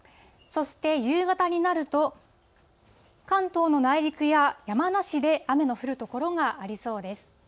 そして夕方になると、関東の内陸や山梨で雨の降る所がありそうです。